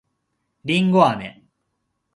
りんごあめ